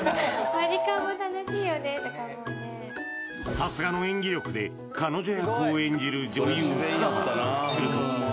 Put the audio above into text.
さすがの演技力で彼女役を演じる女優